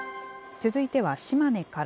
続いては島根から。